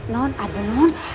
non aduh non